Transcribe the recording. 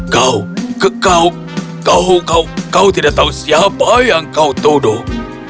kau kau kau kau tidak tahu siapa yang kau todoh